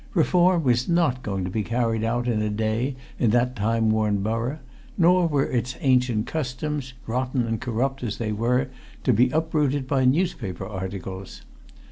Reform was not going to be carried out in a day in that time worn borough, nor were its ancient customs, rotten and corrupt as they were, to be uprooted by newspaper articles.